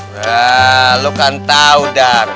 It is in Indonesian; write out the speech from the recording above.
wah lu kan tahu dar